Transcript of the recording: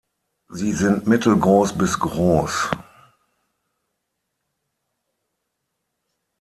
Sie sind mittelgroß bis groß.